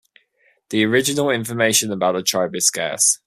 The original information about the tribe is scarce.